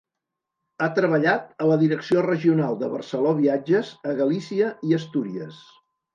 Ha treballat a la Direcció Regional de Barceló Viatges a Galícia i Astúries.